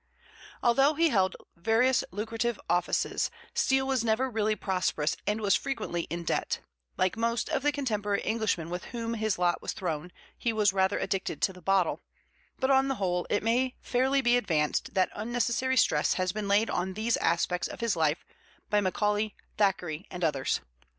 Although he held various lucrative offices, Steele was never really prosperous and was frequently in debt; like most of the contemporary Englishmen with whom his lot was thrown, he was rather addicted to the bottle; but, on the whole, it may fairly be advanced that unnecessary stress has been laid on these aspects of his life by Macaulay, Thackeray, and others.